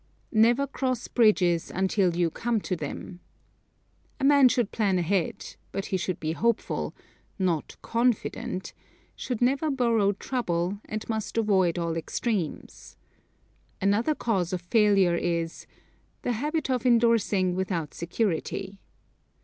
"Never cross bridges until you come to them." A man should plan ahead, but he should be hopeful not confident should never borrow trouble, and must avoid all extremes. Another cause of failure is: The habit of endorsing without security.